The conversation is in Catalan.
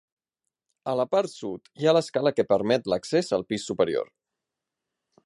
A la part sud hi ha l’escala que permet l’accés al pis superior.